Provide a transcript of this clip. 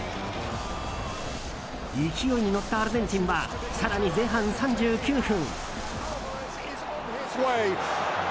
勢いに乗ったアルゼンチンは更に前半３９分。